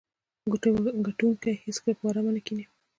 ګټونکي هیڅکله په ارامه نه کیني.